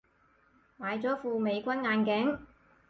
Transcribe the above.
買咗副美軍眼鏡